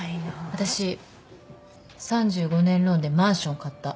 私３５年ローンでマンション買った。